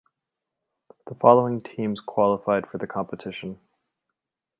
The following teams qualified for the competition.